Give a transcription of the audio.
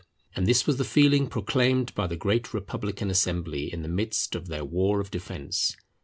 And this was the feeling proclaimed by the great republican assembly in the midst of their war of defence.